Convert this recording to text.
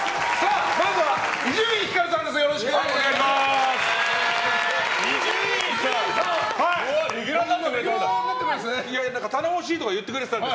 まずは伊集院光さんです。